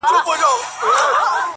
دي روح کي اغښل سوی دومره.